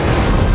aku akan menang